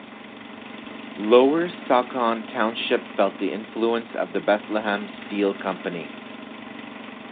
Lower Saucon Township felt the influence of the Bethlehem Steel Company.